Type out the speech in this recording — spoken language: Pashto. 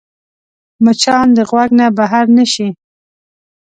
مچان د غوږ نه بهر نه شي